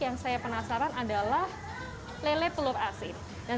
yang saya penasaran adalah lele telur asin